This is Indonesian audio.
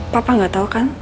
papa nggak tau kan